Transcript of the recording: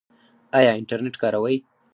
ایا انټرنیټ کاروئ؟